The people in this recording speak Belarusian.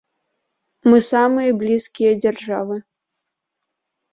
Мы самыя блізкія дзяржавы.